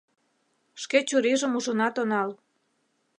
Шке чурийжым ужынат онал.